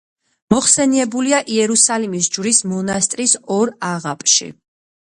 მოხსენიებულია იერუსალიმის ჯვრის მონასტრის ორ აღაპში.